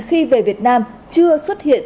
khi về việt nam chưa xuất hiện